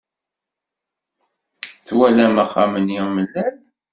Twalam axxam-nni amellal?